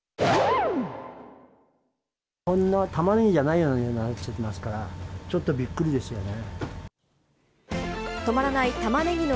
こんなたまねぎじゃないような値段がついてますから、ちょっとびっくりですよね。